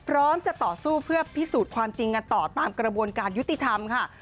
พร้อมจะต่อสู้เพื่อพิสูจน์ความจริงกันต่อตามกระบวนการยุติธรรมค่ะ